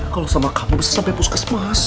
kalau sama kamu bisa sampai puskesmas